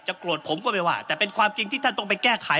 โกรธผมก็ไม่ว่าแต่เป็นความจริงที่ท่านต้องไปแก้ไข